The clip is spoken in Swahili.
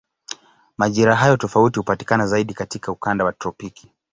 Majira hayo tofauti hupatikana zaidi katika ukanda wa tropiki.